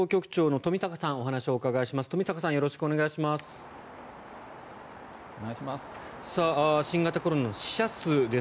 冨坂さんよろしくお願いします。